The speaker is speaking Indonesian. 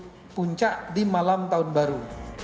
di sini ada tujuh puncak di malam tahun baru